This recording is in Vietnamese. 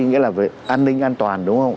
nghĩa là về an ninh an toàn đúng không